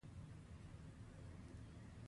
نوي ویښتان تر پوستکي لاندې د ویښتو